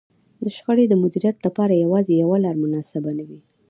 د شخړې د مديريت لپاره يوازې يوه لار مناسبه نه وي.